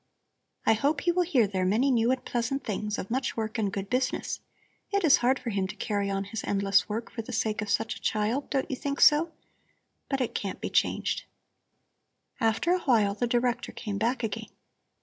I hope he will hear there many new and pleasant things of much work and good business. It is hard for him to carry on his endless work for the sake of such a child, don't you think so? But it can't be changed." After a while the Director came back again.